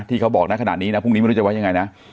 เขาบอกนะขนาดนี้นะพรุ่งนี้ไม่รู้จะไว้ยังไงนะ